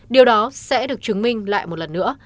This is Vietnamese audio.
điều đó sẽ được chứng minh lại một lần nữa